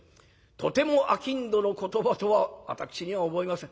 とても商人の言葉とは私には思えません。